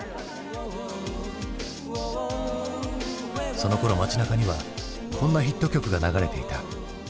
そのころ街なかにはこんなヒット曲が流れていた。